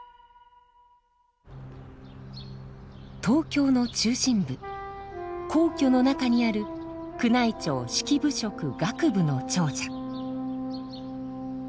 東京の中心部皇居の中にある宮内庁式部職楽部の庁舎。